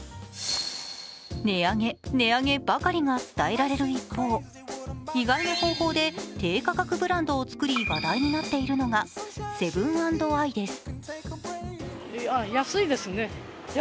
値上げ、値上げばかりが伝えられる一方、意外な方法で低価格ブランドを作り話題になっているのがセブン＆アイです。